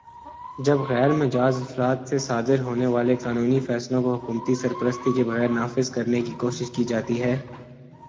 جب غیر مجازافراد سے صادر ہونے والے قانونی فیصلوں کو حکومتی سرپرستی کے بغیر نافذ کرنے کی کوشش کی جاتی ہے